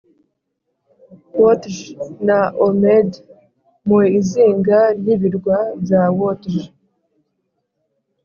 Wotje na ormed mu izinga ry ibirwa bya wotje